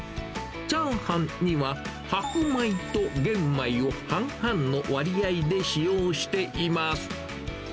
チャーハンには白米と玄米を半々の割合で使用しています。